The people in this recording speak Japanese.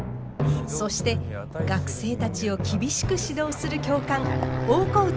そして学生たちを厳しく指導する教官大河内